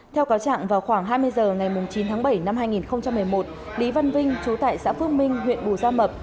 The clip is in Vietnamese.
theo cáo trạng vào khoảng hai mươi h ngày chín tháng bảy năm hai nghìn một mươi một lý văn vinh chú tại xã phước minh huyện bù gia mập